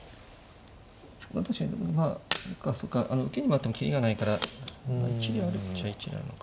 確かにまあ何かそうか受けに回っても切りがないから一理あるっちゃ一理あるのか。